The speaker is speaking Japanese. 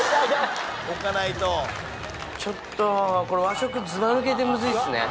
ちょっと和食ずばぬけてムズいっすね。